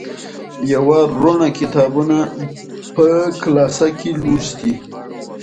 یوه روڼه کتابونه په کلاسه کې لوستي.